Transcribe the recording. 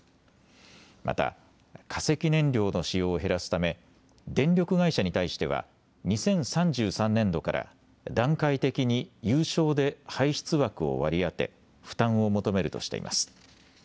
また化石燃料の使用を減らすため電力会社に対しては２０３３年度から段階的に有償で排出枠を割り当て負担を求めるとしています。